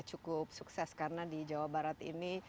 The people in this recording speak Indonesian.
cukup sukses karena di jawa barat ini